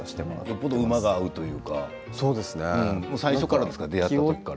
よっぽど馬が合うというか最初からですか出会った時から？